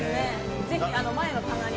ぜひ前の棚に。